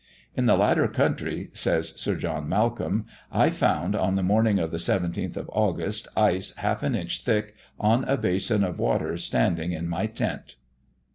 In the latter country (says Sir John Malcolm) I found, on the morning of the 17th of August, ice half an inch thick on a basin of water standing in my tent."